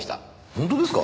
本当ですか？